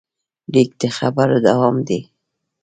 لیک د خبرو دوام دی.